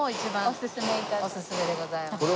おすすめでございます。